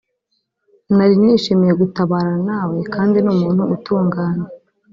nari nishimiye gutabarana nawe kandi ni umuntu utunganye